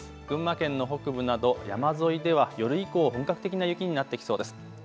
群馬県の北部など山沿いでは夜以降、本格的な雪になってきそうです。